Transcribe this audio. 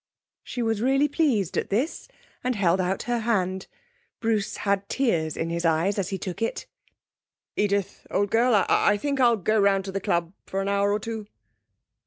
She was really pleased at this, and held out her hand. Bruce had tears in his eyes as he took it. 'Edith, old girl, I think I'll go round to the club for an hour or two.'